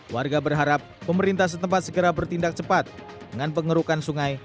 warga berharap pemerintah setempat segera bertindak cepat dengan pengerukan sungai